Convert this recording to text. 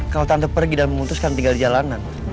kalau tante pergi dan memutuskan tinggal di jalanan